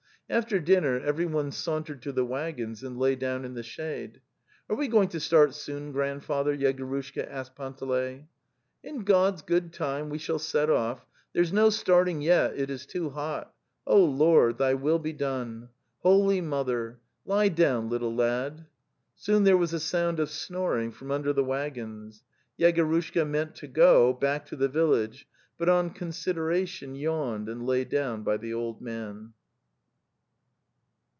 After dinner everyone sauntered to the waggons and lay down in the shade. "Are we going to start soon, grandfather?" Yegorushka asked Panteley. "in God's 'good time, we shall /seti\:otk: 74 Phere' no starting yet; it is too hot. 4)... ©) ord, Thy will be done. Holy Mother. ... Lie down, little lad." Soon there was a sound of snoring from under the waggons. Yegorushka meant to go back to the village, but on consideration, yawned and lay down by the old man.